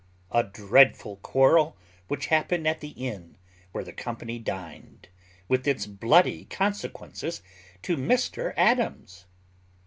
_A dreadful quarrel which happened at the Inn where the company dined, with its bloody consequences to Mr Adams.